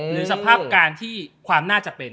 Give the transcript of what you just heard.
สภาพการที่ความน่าจะเป็น